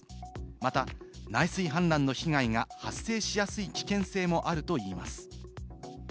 また、内水氾濫の被害が発生しやすい危険性もあるといいます。